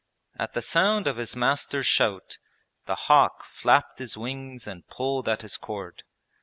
At the sound of his master's shout the hawk flapped his wings and pulled at his cord.